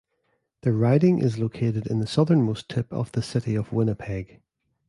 The riding is located in the southernmost tip of the City of Winnipeg.